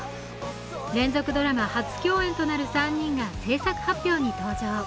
連続ドラマ初共演となる３人が制作発表に登場。